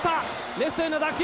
レフトへの打球。